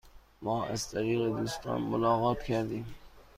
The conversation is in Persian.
ما از طریق دوستان ملاقات کردیم.